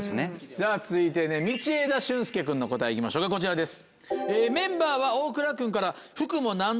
さぁ続いて道枝駿佑君の答え行きましょうかこちらです。